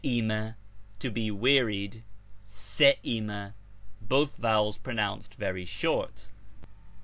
eaima, ' to be wearied,' both vowels pronounced very short.